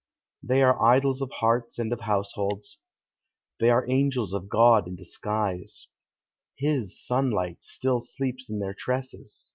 They are idols of hearts and of households; They are angels of God in disguise; His sunlight still sleeps in their tresses.